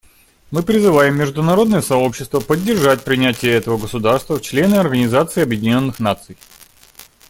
Мы призываем международное сообщество поддержать принятие этого государства в члены Организации Объединенных Наций.